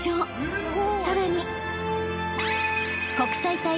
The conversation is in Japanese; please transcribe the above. ［さらに］